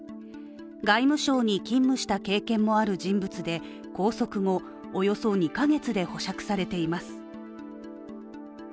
外務省に勤務した経験もある人物で拘束後、およそ２か月で保釈されています。